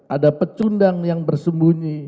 ada pecundang yang bersembunyi